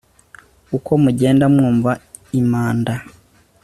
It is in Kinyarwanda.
uko mugenda mwumva impanda